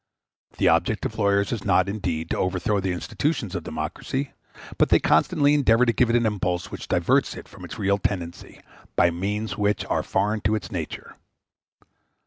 The object of lawyers is not, indeed, to overthrow the institutions of democracy, but they constantly endeavor to give it an impulse which diverts it from its real tendency, by means which are foreign to its nature.